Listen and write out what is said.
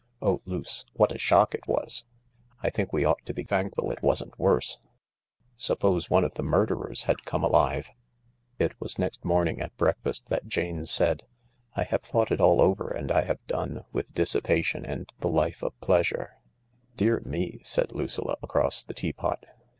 Oh, Luce, what a shock it was ! I think we ought to be thankful it wasn't worse. Stippose one of the murderers had come alive I "•*••• s It was next morning at breakfast that Jane said: " I have thcfught it all over, and I have done with dissipation and the life of pleasure/' " Dear me I " said Lucilla across the tea pot.